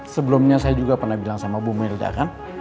sebelumnya saya juga pernah bilang sama bu merda kan